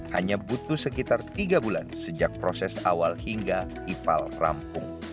hanya butuh sekitar tiga bulan sejak proses awal hingga ipal rampung